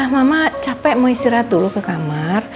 mama capek mau istirahat dulu ke kamar